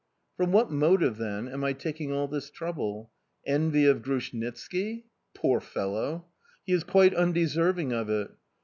From what motive, then, am I taking all this trouble? Envy of Grushnitski? Poor fellow! He is quite undeserving of it.